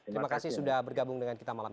terima kasih sudah bergabung dengan kita malam ini